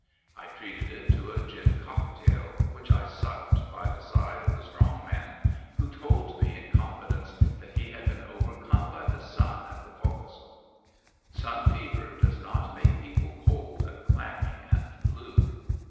I treated it to a gin cocktail, which I sucked by the side of the strong man, who told me in con fidence that he had been overcome by the sun at the fo'c'sle. Sun fever does not make people cold and clammy and blue.